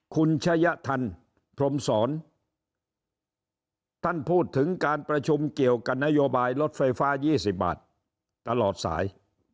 คุณชะยะทันพรมศรท่านพูดถึงการประชุมเกี่ยวกับนโยบายรถไฟฟ้า๒๐บาทตลอดสาย